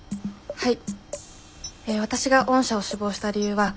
はい。